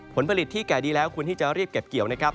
ผลผลิตที่แก่ดีแล้วควรที่จะรีบเก็บเกี่ยวนะครับ